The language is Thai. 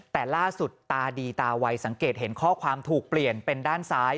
แต่ล่าสุดตาดีตาวัยสังเกตเห็นข้อความถูกเปลี่ยนเป็นด้านซ้าย